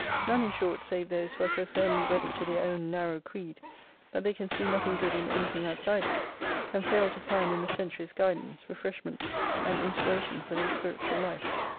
None in short save those who are so firmly wedded to their own narrow creed that they can see nothing good in anything outside it, can fail to find in the " Centuries " guidance, refreshment and inspiration for their spiritual life.